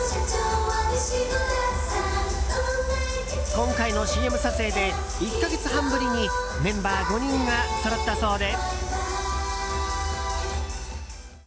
今回のＣＭ撮影で１か月半ぶりにメンバー５人がそろったそうで。